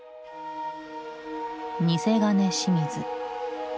「偽金清水」。